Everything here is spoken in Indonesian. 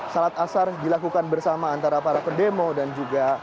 salat asar dilakukan bersama antara para pendemo dan juga